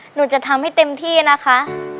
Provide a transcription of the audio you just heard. หนูจะทำให้เต็มที่นะคะ